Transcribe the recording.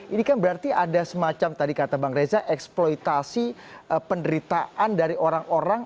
ini kan berarti ada semacam tadi kata bang reza eksploitasi penderitaan dari orang orang